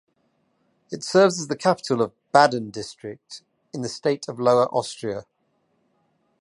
It serves as the capital of Baden District in the state of Lower Austria.